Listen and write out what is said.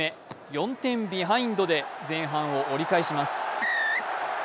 ４点ビハインドで前半を折り返します。